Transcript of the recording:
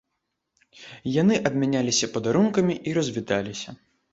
Яны абмяняліся падарункамі і развіталіся.